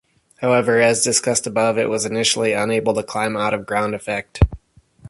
However, as discussed above, it was initially unable to climb out of ground effect.